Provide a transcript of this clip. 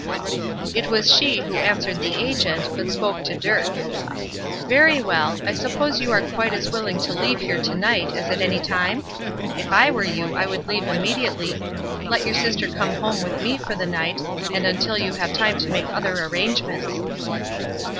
It was she who answered the agent, but she spoke to Dirk. "Very well; I suppose you are quite as willing to leave here to night as at any time? If I were you, I would leave immediately. Let your sister come home with me for the night, and until you have time to make other arrangements."